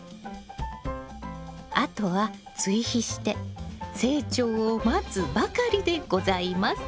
あとは追肥して成長を待つばかりでございます。